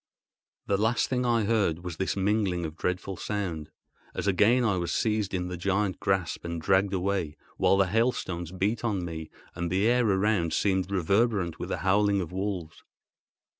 The last thing I heard was this mingling of dreadful sound, as again I was seized in the giant grasp and dragged away, while the hailstones beat on me, and the air around seemed reverberant with the howling of wolves.